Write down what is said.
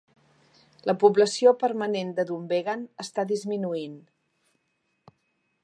La població permanent de Dunvegan està disminuint.